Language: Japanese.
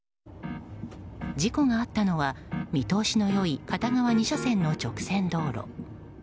事故があったのは見通しの良い片側２車線の直線道路。